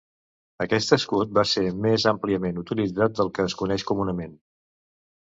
Aquest escut va ser més àmpliament utilitzat del que es coneix comunament.